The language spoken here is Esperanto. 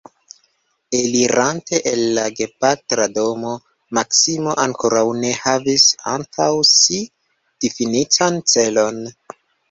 Elirante el la gepatra domo, Maksimo ankoraŭ ne havis antaŭ si difinitan celon.